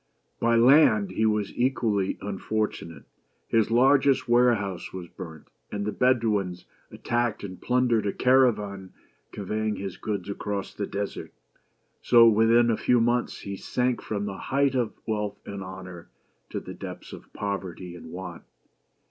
By land he was equally unfortunate ; his largest warehouse was burnt, and the Bedouins attacked and plundered a caravan convey ing his goods across the desert. So, within a few months, he sank from the height of wealth and honor to the depths of poverty and want.